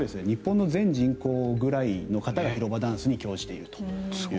日本の全人口ぐらいの人が広場ダンスに興じていると。